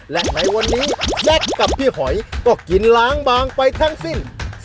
และในวันนี้แจ็คกับพี่หอยก็กินล้างบางไปทั้งสิ้น